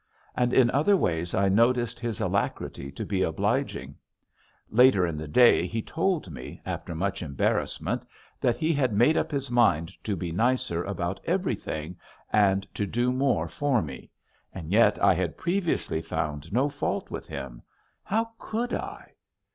And in other ways I noticed his alacrity to be obliging. Later in the day he told me, after much embarrassment, that he had made up his mind to be nicer about everything and to do more for me, and yet I had previously found no fault with him; how could I!